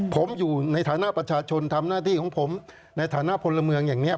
ผมอยู่ในฐานะประชาชนทำหน้าที่ของผมในฐานะพลเมืองอย่างนี้